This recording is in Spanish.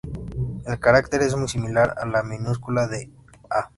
El carácter es muy similar a la minúscula de Д.